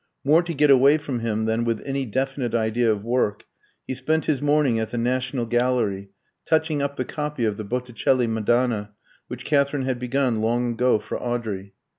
More to get away from him than with any definite idea of work, he spent his morning at the National Gallery, touching up the copy of the Botticelli Madonna which Katherine had begun long ago for Audrey.